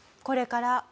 これから。